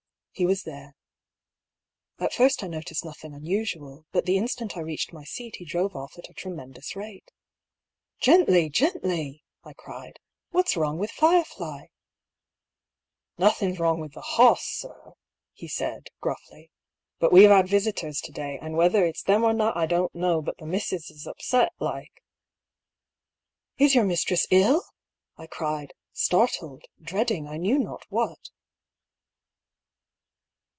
He was there. At first I noticed nothing un usual, but the instant I reached my seat he drove off at a tremendous rate. " Gently, gently !" I cried. " What's wrong with Firefiy ?" "Nothing's wrong with the hoss^ sir," he said, gruffly ;" but we've had visitors to day, and whether it's them or not I don't know, but the missus is upset, like." " Is your mistress ill ?" I cried, startled, dreading I knew not what.